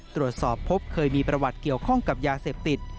ตรวจสอบพบเคยมีประวัติเกี่ยวข้องกับยาเสพติด